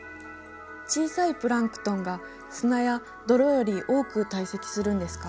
小さいプランクトンが砂や泥より多く堆積するんですか？